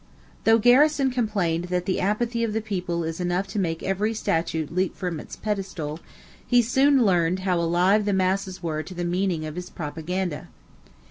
'" Though Garrison complained that "the apathy of the people is enough to make every statue leap from its pedestal," he soon learned how alive the masses were to the meaning of his propaganda.